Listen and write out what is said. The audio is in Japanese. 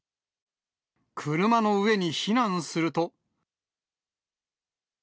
車の上に避難すると。